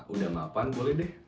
udah mapan boleh deh